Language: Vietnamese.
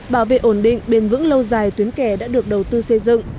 bảo vệ ổn định bền vững lâu dài tuyến kè đã được đầu tư xây dựng